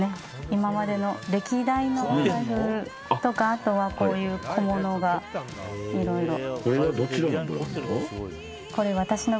今までの歴代のお財布とかあとは、小物がいろいろ。